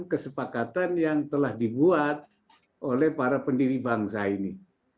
kesepakatan yang telah dibuat oleh para pendiri bangsa ini